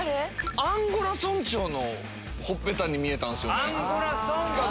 アンゴラ村長のほっぺたに見えたんですよね。